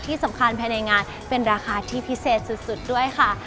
ที่สำคัญภายในงานเป็นราคาที่พิเศษสุดด้วยค่ะ